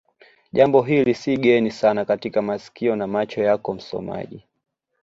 jambo hili si geni sana katika masikio na macho yako msomaji